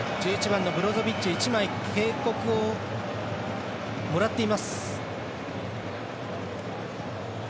ブロゾビッチ１枚、警告をもらっています。